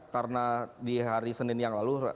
karena di hari senin yang lalu